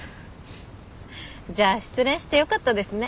じゃあ失恋してよかったですね。